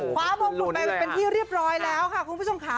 พระมงกุฎไปเป็นที่เรียบร้อยแล้วค่ะคุณผู้ชมค่ะ